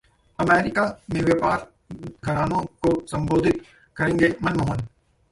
America में व्यापार घरानों को संबोधित करेंगे मनमोहन